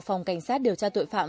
phòng cảnh sát điều tra tội phạm